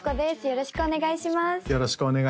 よろしくお願いします